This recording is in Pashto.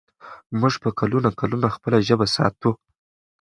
موږ به کلونه کلونه خپله ژبه ساتو.